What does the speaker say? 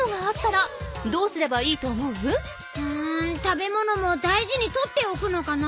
うーん食べ物も大事に取っておくのかな？